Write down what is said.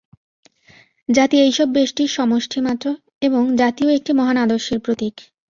জাতি এইসব ব্যষ্টির সমষ্টিমাত্র, এবং জাতিও একটি মহান আদর্শের প্রতীক।